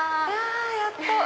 やっと！